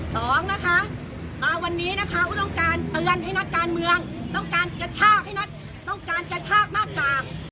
สองนะคะมาวันนี้นะคะอุ๊ต้องการเตือนให้นักการเมืองต้องการกระชากให้นักต้องการกระชากหน้ากาก